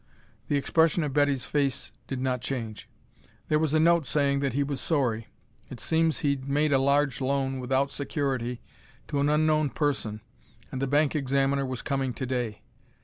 The expression of Betty's face did not change. "There was a note saying that he was sorry. It seems he'd made a large loan without security to an unknown person, and the bank examiner was coming to day.